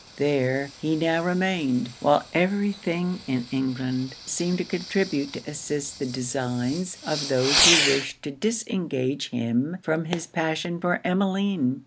There, he now remained; while every thing in England seemed to contribute to assist the designs of those who wished to disengage him from his passion for Emmeline.